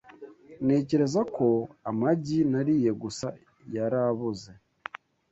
Ntekereza ko amagi nariye gusa yaraboze.